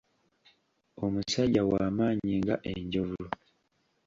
Omusajja wa maanyi nga Enjovu.